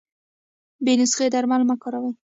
بې نسخي درمل مه کاروی